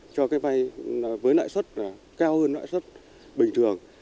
cho cái vay với lãi suất cao hơn lãi suất bình thường